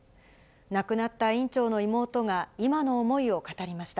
亡くなった院長の妹が、今の思いを語りました。